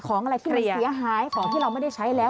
อะไรที่มันเสียหายของที่เราไม่ได้ใช้แล้ว